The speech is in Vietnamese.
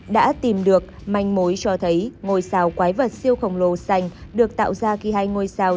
đã tìm được manh mối cho thấy ngôi sao quái vật siêu khổng lồ sành được tạo ra khi hai ngôi sao